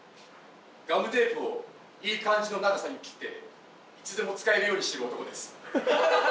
ガムテープをいい感じの長さに切っていつでも使えるようにしてる男です。